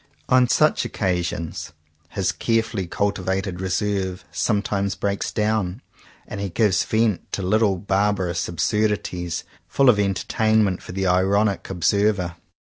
On such occasions his carefully cultivated reserve sometimes breaks down, and he gives vent to little barbarous absurdities, full of entertainment for the ironic ob server.